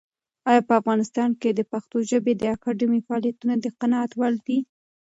ایا په افغانستان کې د پښتو ژبې د اکاډمۍ فعالیتونه د قناعت وړ دي؟